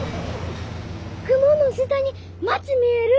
雲の下に町見える！